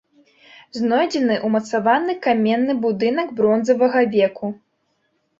Знойдзены ўмацаваны каменны будынак бронзавага веку.